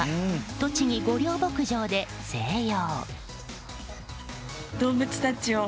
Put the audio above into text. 栃木・御料牧場で静養。